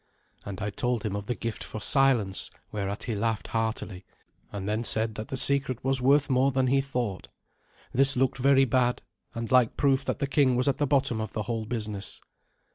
And I told him of the gift for silence, whereat he laughed heartily, and then said that the secret was more worth than he thought. This looked very bad, and like proof that the king was at the bottom of the whole business.